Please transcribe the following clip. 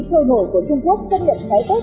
trôi nổi của trung quốc xâm nhận trái cốt